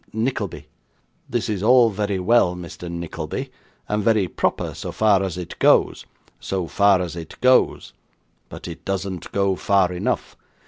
'Nickleby.' 'This is all very well, Mr. Nickleby, and very proper, so far as it goes so far as it goes, but it doesn't go far enough.